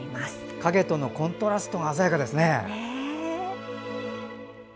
影とのコントラストが鮮やかですね。